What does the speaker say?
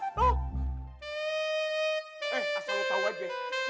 eh asalnya tau aja